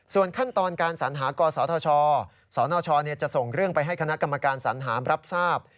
ส่วนขั้นตอนการสัญหากศธชสนชจะส่งเรื่องไปให้คณะกรรมการสัญหารับทราบ